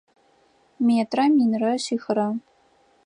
Метрэ минрэ шъихрэ.